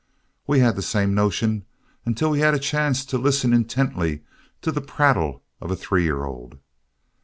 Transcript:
We had the same notion until we had a chance to listen intently to the prattle of a three year old.